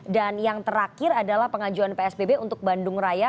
dan yang terakhir adalah pengajuan psbb untuk bandung raya